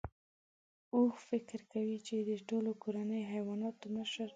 اوښ فکر کوي چې د ټولو کورنیو حیواناتو مشر دی.